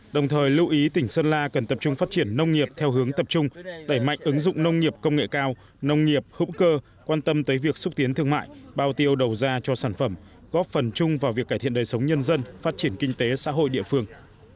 đồng thời lưu ý tỉnh sơn la cần tập trung phát triển nông nghiệp theo hướng tập trung đẩy mạnh ứng dụng nông nghiệp công nghệ cao nông nghiệp hữu cơ quan tâm tới việc xúc tiến thương mại bao tiêu đầu ra cho sản phẩm góp phần chung vào việc cải thiện đời sống nhân dân phát triển kinh tế xã hội địa phương